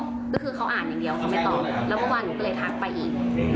ก็คือเขาอ่านอย่างเดียวเขาไม่ตอบแล้วเมื่อวานหนูก็เลยทักไปอีก